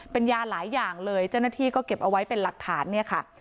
เป็นยาหลายอย่างเลยเจ้าหน้าที่ก็เก็บเอาไว้เป็นหลักฐานเนี่ยค่ะ